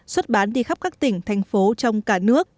xuất bán đi khắp các tỉnh thành phố trong cả nước